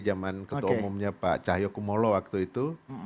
zaman ketua umumnya pak cahyokumolo waktu itu